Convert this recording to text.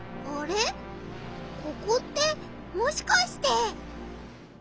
ここってもしかして。